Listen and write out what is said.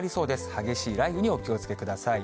激しい雷雨にお気をつけください。